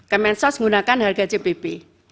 kemensos menggunakan harga cpp